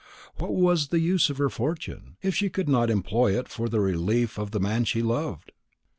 What was the use of her fortune, if she could not employ it for the relief of the man she loved?